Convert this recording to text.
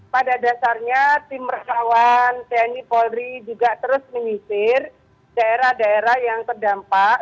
pada dasarnya tim relawan tni polri juga terus menyisir daerah daerah yang terdampak